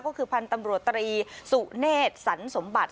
ก็คือพันธุ์ตำรวจตรีสุเนธสันสมบัติ